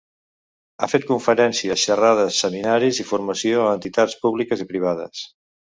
Ha fet conferències, xerrades, seminaris i formació a entitats públiques i privades.